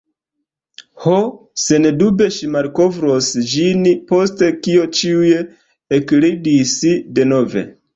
Ho, sendube ŝi malkovros ĝin. Post kio ĉiuj ekridis denove.